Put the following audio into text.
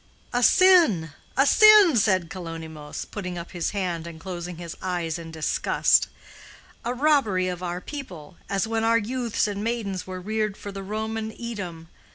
'" "A sin, a sin!" said Kalonymos, putting up his hand and closing his eyes in disgust. "A robbery of our people—as when our youths and maidens were reared for the Roman Edom.